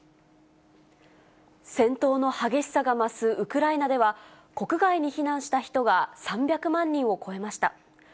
戦闘の激しさが増すウクライナでは、国外に避難した人が３００万人を超えました。